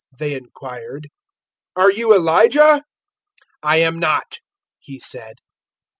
they inquired; "are you Elijah?" "I am not," he said.